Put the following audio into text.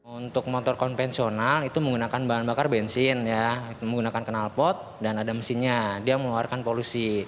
untuk motor konvensional itu menggunakan bahan bakar bensin menggunakan kenalpot dan ada mesinnya dia mengeluarkan polusi